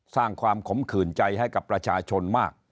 สร้างความขมขื่นใจให้กับประชาชนมาก